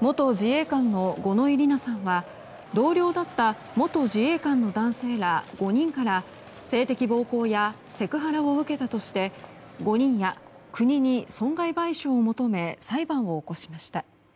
元自衛官の五ノ井里奈さんは同僚だった元自衛官の男性ら５人から性的暴行やセクハラを受けたとして５人や国に損害賠償を求め裁判を起こしました。